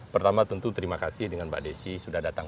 pertama tentu terima kasih dengan mbak desi sudah datang